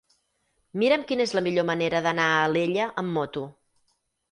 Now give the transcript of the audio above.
Mira'm quina és la millor manera d'anar a Alella amb moto.